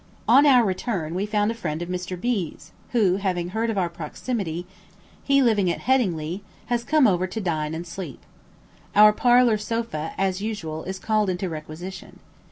On our return we found a friend of Mr. B 's, who, having heard of our proximity, he living at Headingley, has come over to dine and sleep. Our "parlour" sofa, as usual, is called into requisition.